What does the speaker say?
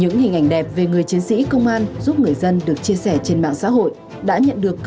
nếu thông tin đã đầy đủ và chính xác